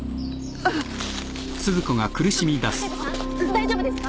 大丈夫ですか？